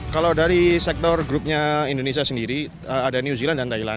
kalau dari sektor grupnya indonesia sendiri ada new zealand dan thailand